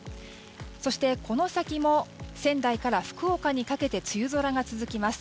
そして、この先も仙台から福岡にかけて梅雨空が続きます。